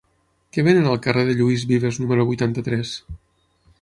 Què venen al carrer de Lluís Vives número vuitanta-tres?